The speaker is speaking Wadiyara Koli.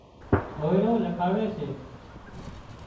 هوئيرو لکاوي سي